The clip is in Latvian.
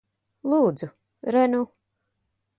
Lūdzu. Re nu.